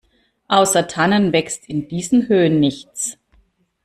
Außer Tannen wächst in diesen Höhen nichts.